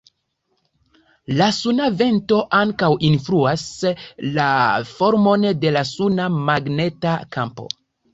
La suna vento ankaŭ influas la formon de la suna magneta kampo.